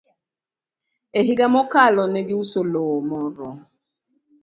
E higa mokalo, ne giuso lowo moro.